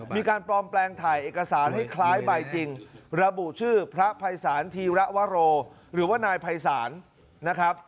มีการปลอมแปลงถ่ายเอกสารให้คล้ายใบจริงระบุชื่อพระภัยศาลธีระวโรหรือว่านายภัยศาลนะครับ